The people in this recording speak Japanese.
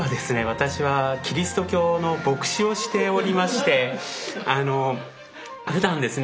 私はキリスト教の牧師をしておりましてふだんですね